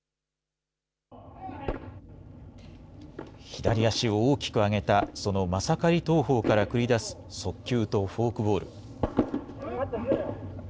左足を大きく上げた、そのマサカリ投法から繰り出す速球とフォークボール。